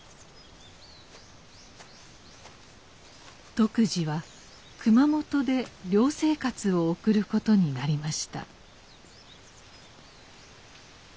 篤二は熊本で寮生活を送ることになりました。